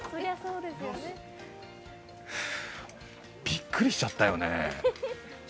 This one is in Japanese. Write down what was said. びっくりしちゃったよね。